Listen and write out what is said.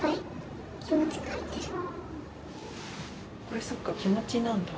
これそっか気持ちなんだ。